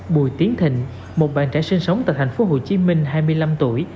bùi tiến thịnh một bạn trẻ sinh sống tại thành phố hồ chí minh hai mươi năm tuổi